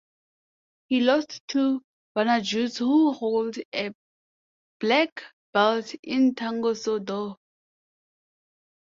He lost to Bonaduce who holds a black belt in Tang Soo Do.